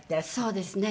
そうですね。